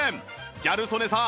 ギャル曽根さん